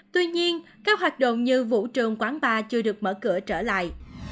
tuy nhiên các hoạt động như vũ trường quán bar chưa được mở cửa trở lại